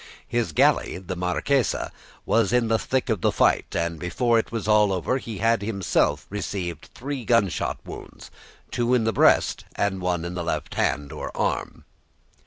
His galley, the Marquesa, was in the thick of the fight, and before it was over he had received three gunshot wounds, two in the breast and one in the left hand or arm.